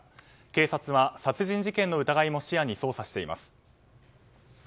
警察は殺人事件の疑いも視野に捜査しています。